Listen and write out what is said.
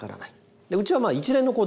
でうちは一連の工程